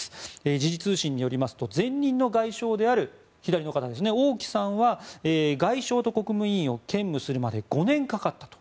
時事通信によりますと前任の外相である王毅さんは外相と国務委員を兼務するまで５年かかったと。